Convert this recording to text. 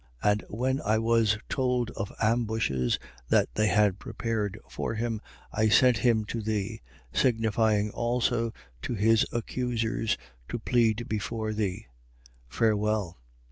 23:30. And when I was told of ambushes that they had prepared for him, I sent him to thee, signifying also to his accusers to plead before thee. Farewell.